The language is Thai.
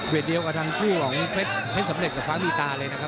เดียวกับทางคู่ของเพชรสำเร็จกับฟ้ามีตาเลยนะครับ